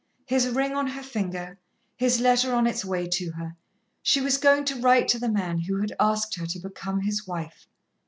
His ring on her finger, his letter on its way to her she was going to write to the man who had asked her to become his wife.